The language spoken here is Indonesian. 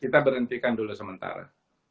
kita berhentikan dulu sementara